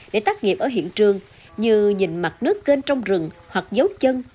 để tác nghiệp ở hiện trường như nhìn mặt nước kênh trong rừng hoặc dấu chân